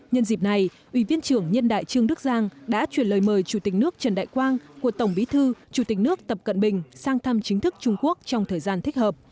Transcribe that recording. nhân dịp này ủy viên trưởng nhân đại trương đức giang đã chuyển lời mời chủ tịch nước trần đại quang của tổng bí thư chủ tịch nước tập cận bình sang thăm chính thức trung quốc trong thời gian thích hợp